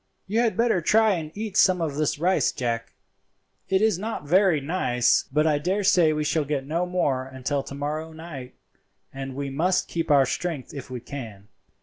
"You had better try and eat some of this rice, Jack. It is not very nice, but I daresay we shall get no more until to morrow night, and we must keep up our strength if we can.